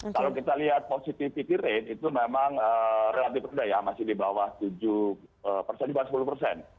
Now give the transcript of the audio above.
kalau kita lihat positivity rate itu memang relatif rendah ya masih di bawah tujuh persen di bawah sepuluh persen